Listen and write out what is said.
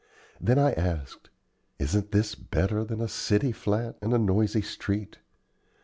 Then I asked: "Isn't this better than a city flat and a noisy street?